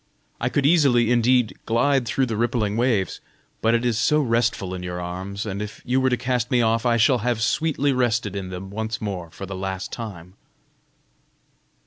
I could easily indeed glide through the rippling waves, but it is so restful in your arms, and if you were to cast me off, I shall have sweetly rested in them once more for the last time."